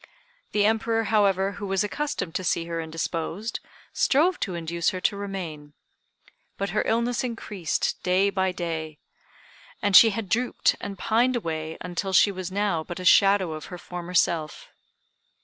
The Emperor, however, who was accustomed to see her indisposed, strove to induce her to remain. But her illness increased day by day; and she had drooped and pined away until she was now but a shadow of her former self.